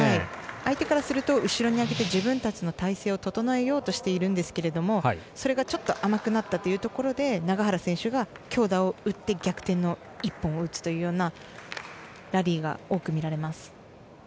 相手からすると後ろに上げて自分たちの体勢を整えようとしているんですがそれが甘くなったところで永原選手が強打を打って逆転の１本を打つというようなラリーが多く見られます。